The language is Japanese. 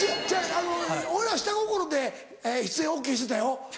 俺は下心で出演ＯＫしてたよ。